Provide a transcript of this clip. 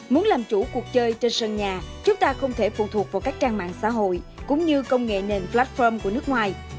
muốn làm chủ cuộc chơi trên sân nhà chúng ta không thể phụ thuộc vào các trang mạng xã hội cũng như công nghệ nền platform của nước ngoài